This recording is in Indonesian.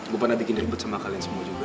gua pernah bikin ribet sama kalian semua juga